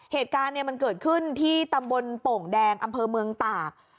เหตุการณ์มันเกิดขึ้นที่ตำบลโป่งแดงอำเภอเมืองตาก